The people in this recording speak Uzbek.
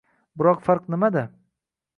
Biroq farq nimada?